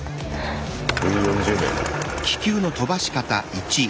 部員４０名。